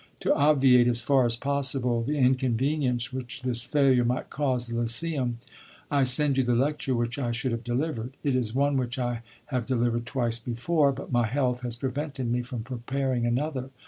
To obviate, as far as possible, the inconvenience which this failure might cause the Lyceum, I send you the lecture which I should have delivered. It is one which I have delivered twice before; but my health has prevented me from preparing another.